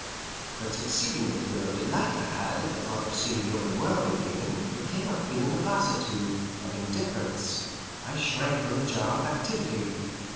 But succeeding the thrill of delight I had at thought of seeing the open world again there came a feeling of lassitude, of indifference; I shrank from the jar of activity.